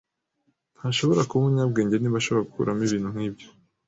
Ntashobora kuba umunyabwenge niba ashobora gukuramo ibintu nkibyo.